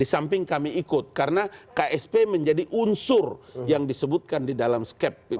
di samping kami ikut karena ksp menjadi unsur yang disebutkan di dalam skep